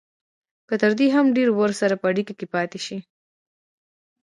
که تر دې هم ډېر ورسره په اړیکه کې پاتې شي